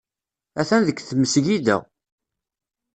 Atan deg tmesgida.